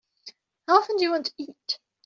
How often do you want to eat?